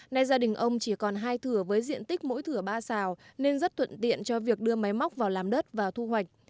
nay gia đình ông chỉ còn hai thửa với diện tích mỗi thửa ba xào nên rất thuận tiện cho việc đưa máy móc vào làm đất và thu hoạch